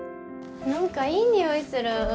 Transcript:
何かいい匂いする。